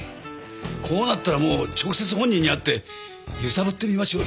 こうなったらもう直接本人に会って揺さぶってみましょう。